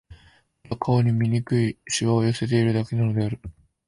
ただ、顔に醜い皺を寄せているだけなのである